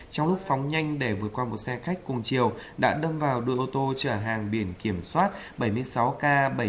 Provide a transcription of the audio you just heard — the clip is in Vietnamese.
trong lúc phóng nhanh để vượt qua một xe khách cùng chiều đã đâm vào đuôi ô tô trở hàng biển kiểm soát bảy mươi sáu k bảy nghìn ba trăm năm mươi bảy